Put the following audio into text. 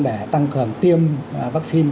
để tăng cường tiêm vaccine